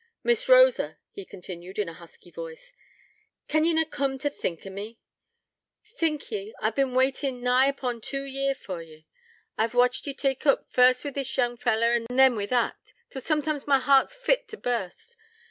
'Miss Rosa,' he continued, in a husky voice, 'can ye na coom t' think on me? Think ye, I've bin waitin' nigh upon two year for ye. I've watched ye tak oop, first wi' this young fellar, and then wi' that, till soomtimes my heart's fit t' burst.